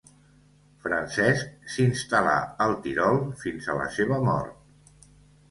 Francesc s'instal·là al Tirol fins a la seva mort.